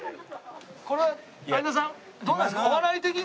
これ有田さんどうなんですか？